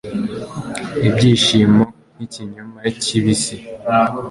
ibyishimo nk'ikinyoma kibisi